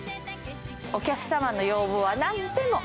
お客様の要望はなんでも！